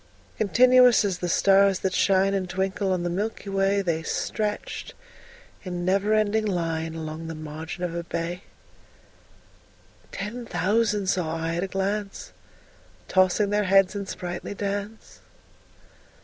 Continuous as the stars that shine And twinkle on the milky way, They stretched in never ending line Along the margin of a bay: 10 Ten thousand saw I at a glance, Tossing their heads in sprightly dance.